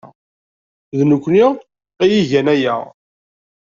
D nekkni ay igan aya.